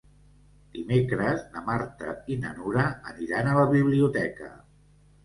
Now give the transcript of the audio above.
Dimecres na Marta i na Nura aniran a la biblioteca.